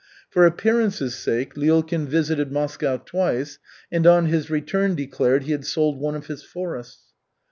For appearance's sake Lyulkin visited Moscow twice, and on his return declared he had sold one of his forests.